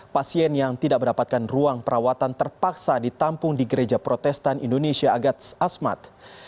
pasien yang tidak mendapatkan ruang perawatan terpaksa ditampung di gereja protestan indonesia agats asmat